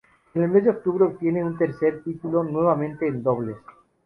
En el mes de octubre obtiene su tercer título, nuevamente en dobles.